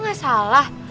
nat gue gak salah